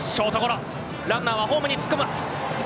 ランナーはホームに突っ込む。